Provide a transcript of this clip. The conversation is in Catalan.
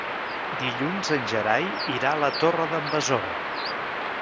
Dilluns en Gerai irà a la Torre d'en Besora.